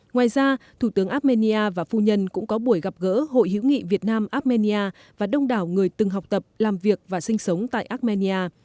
ngoài ra thủ tướng armenia và phu nhân cũng có buổi gặp gỡ hội hữu nghị việt nam armenia và đông đảo người từng học tập làm việc và sinh sống tại armenia